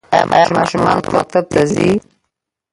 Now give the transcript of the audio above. ایا ماشومان مو مکتب ته ځي؟